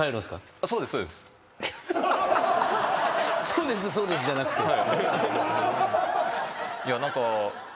「そうですそうです」じゃなくて。